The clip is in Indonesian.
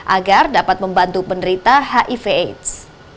agar dapat membantu penderita hiv aids